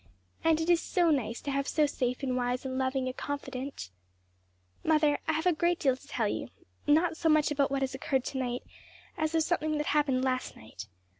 And it is so nice to have so safe and wise and loving a confidante. "Mother, I have a great deal to tell you, not so much about what has occurred to night as of something that happened last night.